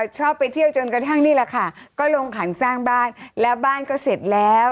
ชอบไปเที่ยวจนกระทั่งนี่แหละค่ะก็ลงขันสร้างบ้านแล้วบ้านก็เสร็จแล้ว